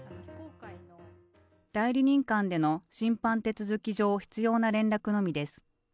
代理人間での審判手続き上必要な連絡のみです。